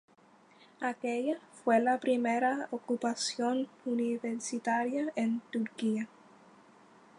Aquella, fue la primera ocupación universitaria en Turquía.